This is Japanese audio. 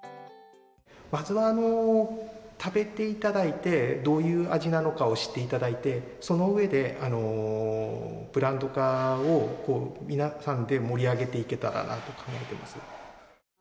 まずは食べていただいて、どういう味なのかを知っていただいて、その上で、ブランド化を皆さんで盛り上げていけたらなと考えています。